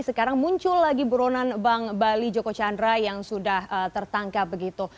sekarang muncul lagi buronan bank bali joko chandra yang sudah tertangkap begitu